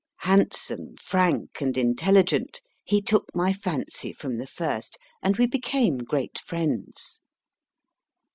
Handsome, frank, and intelligent, he took my fancy from the first, and we became great friends.